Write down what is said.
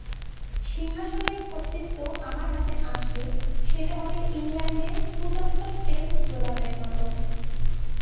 সিংহাসনের কর্তৃত্ব আমার হাতে আসলে সেটা হবে ইংল্যান্ডের ফুটন্ত পেলভ গোলাপের মতো।